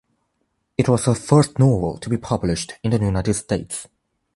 It was her first novel to be published in the United States.